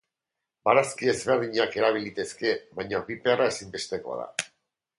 Barazki ezberdinak erabili litezke baina piperra ezinbestekoa da.